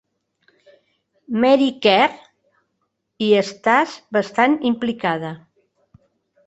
Mary Kerr, hi estàs bastant implicada.